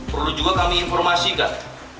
perlu juga kami informasikan